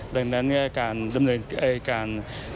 ดังนั้นการ